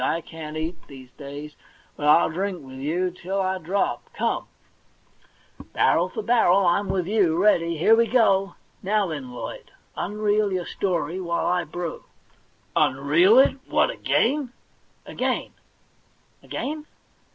I can't eat, these days; but I'll drink with you till I drop. Come !' 'Barrel for barrel, I'm with you! Eeady! Here we go ! Now, then, Lloyd, unreel your story while I brew.' ' Unreel it ? What, again ?*•* Again